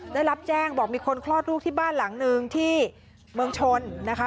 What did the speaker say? ได้รับแจ้งบอกมีคนคลอดลูกที่บ้านหลังนึงที่เมืองชนนะคะ